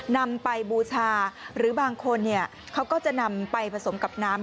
นำไปบูชาหรือบางคนเขาก็จะนำไปผสมกับน้ำ